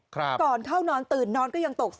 ก่อนเข้านอนตื่นนอนก็ยังตก